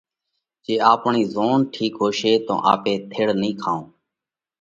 جي آپڻئي زوڻ ٺِيڪ ھوشي تو آپي ٿيڙ نئين کائون۔